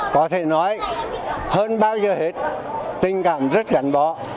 có thể nói hơn bao giờ hết tình cảm rất gắn bó